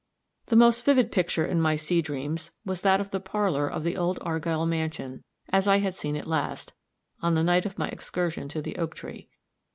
The most vivid picture in my sea dreams, was that of the parlor of the old Argyll mansion, as I had seen it last, on the night of my excursion to the oak tree.